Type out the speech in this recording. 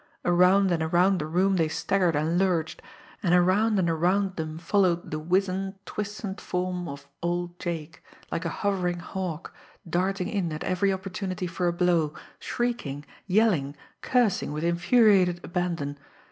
Around and around the room they staggered and lurched and around and around them followed the wizened, twisted form of old Jake, like a hovering hawk, darting in at every opportunity for a blow, shrieking, yelling, cursing with infuriated abandon.